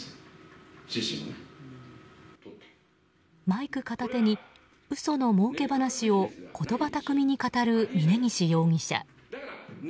マイク片手に、嘘のもうけ話を言葉巧みに語る峯岸容疑者。